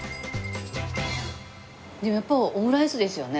でもやっぱオムライスですよね？